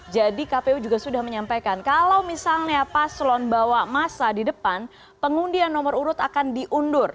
jadi kpu juga sudah menyampaikan kalau misalnya paslon bawa masa di depan pengundian nomor urut akan diundur